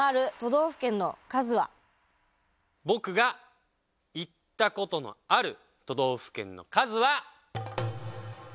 僕が行った事のある都道府県の数は。